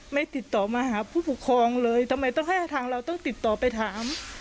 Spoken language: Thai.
ไม่ติดต่อมาหาผู้ปกครองเลยทำไมต้องให้ทางเราต้องติดต่อไปถาม